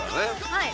はい。